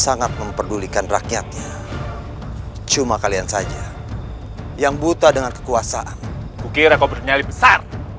sangat memperdulikan rakyatnya cuma kalian saja yang buta dengan kekuasaan ukir aku bernyali besar